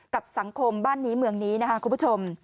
กับสังคมบ้านนี้หมื่นนี้คุณผู้ชม